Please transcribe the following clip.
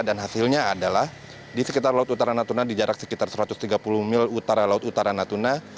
dan hasilnya adalah di sekitar laut utara natuna di jarak sekitar satu ratus tiga puluh mil utara laut utara natuna